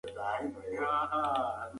ټولنپوهنه د مظلومانو ملاتړ کوي.